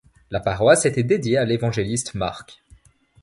La paroisse était dédiée à l'évangéliste Marc.